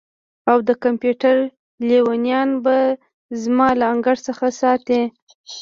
او د کمپیوټر لیونیان به زما له انګړ څخه ساتئ